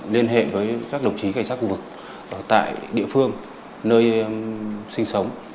liên hệ với các đồng chí cảnh sát khu vực tại địa phương nơi sinh sống